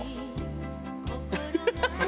「ハハハハ！」